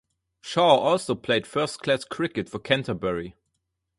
Shaw also played first class cricket for Canterbury.